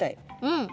うん。